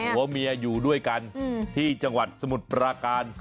หัวเมียอยู่ด้วยกันที่จังหวัดสมุทรปราการ